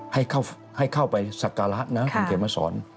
ให้เข้าไปสักการะนะคุณเขียนมาสอน